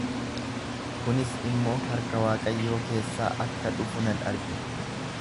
Kunis immoo harka Waaqayyoo keessaa akka dhufu nan arge;